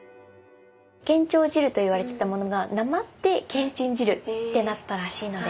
「建長汁」と言われてたものがなまって「けんちん汁」ってなったらしいので。